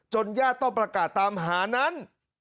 ญาติต้องประกาศตามหานั้น